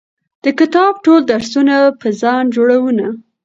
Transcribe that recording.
د کتاب ټول درسونه په ځان جوړونه